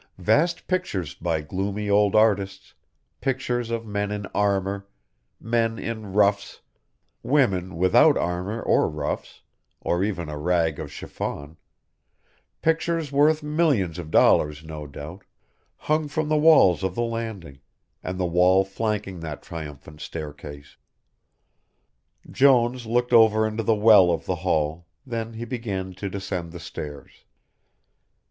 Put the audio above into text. Vast pictures by gloomy old artists, pictures of men in armour, men in ruffs, women without armour or ruffs, or even a rag of chiffon, pictures worth millions of dollars no doubt, hung from the walls of the landing, and the wall flanking that triumphant staircase. Jones looked over into the well of the hall, then he began to descend the stairs.